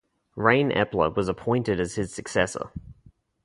Rain Epler was appointed as his successor.